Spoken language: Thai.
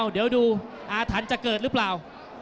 เดี๋ยวดูอาถรรพ์จะเกิดหรือเปล่า